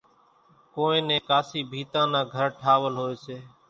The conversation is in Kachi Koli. ڪونئين نين ڪاسِي ڀيتان نان گھر ٺاوَل هوئيَ سي۔